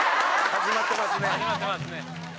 始まってますね。